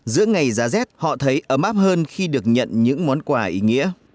giữa ngày giá rét họ thấy ấm áp hơn khi được nhận những món quà ý nghĩa